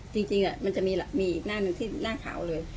จริงจริงอ่ะมันจะมีแหละมีอีกหน้าหนึ่งที่หน้าขาวเลย